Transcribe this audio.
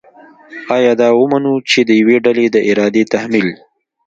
آیا دا ومنو چې د یوې ډلې د ارادې تحمیل